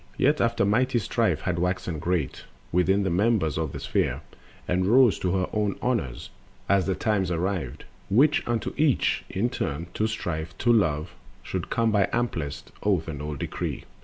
Yet after mighty Strife had waxen great Within the members of the Sphere, and rose To her own honors, as the times arrived Which unto each in turn, to Strife, to Love, Should come by amplest oath and old decree.